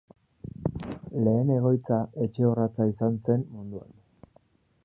Lehen egoitza- etxe orratza izan zen munduan.